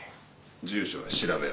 住所は調べろ。